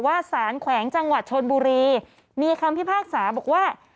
สารแขวงจังหวัดชนบุรีมีคำพิพากษาบอกว่า